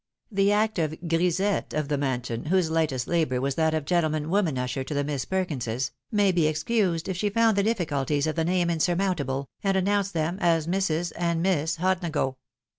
The active grisette of the man sion, whose hghtest labour was that of gentleman woman usher to the Miss Perkinses, may be excused if she found the difficulties of the name insurmountable, and annoxmced them as Mrs. and Miss Hodnago.